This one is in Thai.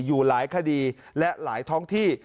อยู่หลายคดีและหลายท้องที่